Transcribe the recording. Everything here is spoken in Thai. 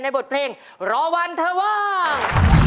ในบทเพลงรวเธอว่าง